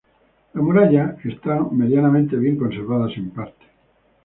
Las murallas están medianamente bien conservadas en parte.